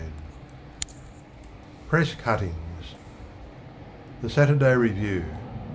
Ill PRESS CUTTINGS. The Saturday Review.